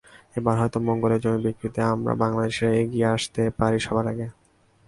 এবার হয়তো মঙ্গলের জমি বিক্রিতে আমরা বাংলাদেশিরা এগিয়ে আসতে পারি সবার আগে।